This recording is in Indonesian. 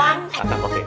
enggak bisa kek soal